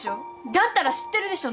だったら知ってるでしょ？